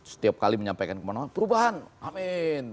setiap kali menyampaikan ke mana mana perubahan amin